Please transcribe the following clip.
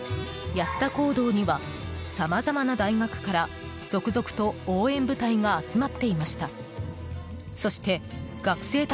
安田講堂にはさまざまな大学から続々と応援部隊が集まっていました。